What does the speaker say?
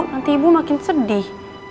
nanti ibu makin sedih